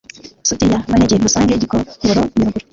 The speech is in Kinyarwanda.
Suti ya Banege Musange Gikongoro Nyaruguru